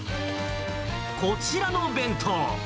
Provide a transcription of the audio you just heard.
こちらの弁当。